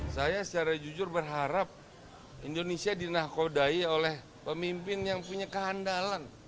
saya secara jujur berharap indonesia dinakodai oleh pemimpin yang punya kehandalan